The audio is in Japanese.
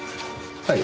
はい？